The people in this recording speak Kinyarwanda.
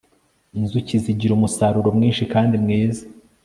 Inzuki zigira umusaruro mwinshi kandi mwiza